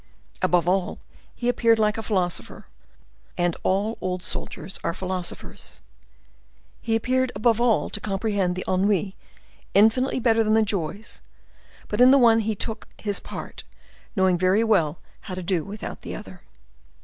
Above all, he appeared, like a philosopher, and all old soldiers are philosophers,—he appeared above all to comprehend the ennuis infinitely better than the joys; but in the one he took his part, knowing very well how to do without the other.